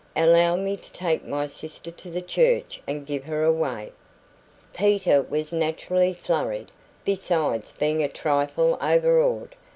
Allow me to take my sister to the church and give her away." Peter was naturally flurried, besides being a trifle overawed.